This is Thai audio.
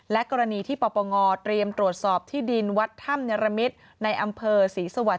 กรณีที่ปปงเตรียมตรวจสอบที่ดินวัดถ้ำเนรมิตในอำเภอศรีสวรรค